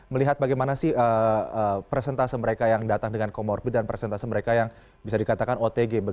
melihat bagaimana sih presentase mereka yang datang dengan comorbid dan presentase mereka yang bisa dikatakan otg